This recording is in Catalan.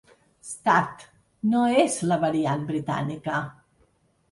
Stat: No és la “variant britànica”.